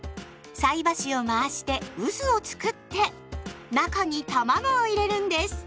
菜箸を回して渦をつくって中にたまごを入れるんです。